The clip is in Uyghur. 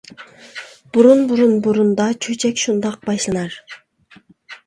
-بۇرۇن، بۇرۇن، بۇرۇندا. چۆچەك شۇنداق باشلىنار.